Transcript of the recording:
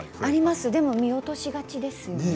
でも見落としがちですよね。